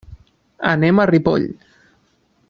Anem a Ripoll.